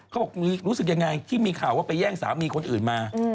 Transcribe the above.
เขาบอกรู้สึกยังไงที่มีข่าวว่าไปแย่งสามีคนอื่นมา